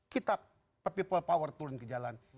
kita people power turun ke jalan